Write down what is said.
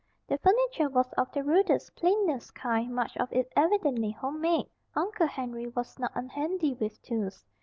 The furniture was of the rudest plainest kind much of it evidently home made. Uncle Henry was not unhandy with tools.